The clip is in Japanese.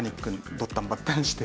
ドッタンバッタンして。